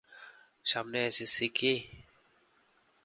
সামনে SS C কি?